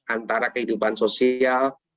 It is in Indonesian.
antara kehidupan sosial dan juga kekejaman